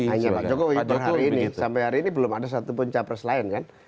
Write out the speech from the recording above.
hanya pak jokowi sampai hari ini belum ada satu pun capres lain kan